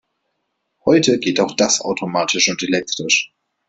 Heute geht auch das automatisch und elektrisch.